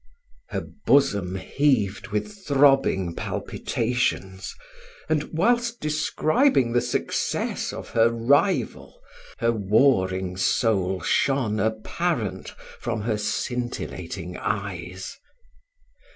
Her bosom heaved with throbbing palpitations; and, whilst describing the success of her rival, her warring soul shone apparent from her scintillating eyes.